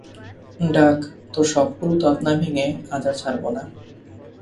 ডাক, তোর সবগুলো দাঁত না ভেঙ্গে আজ আর ছাড়বো না!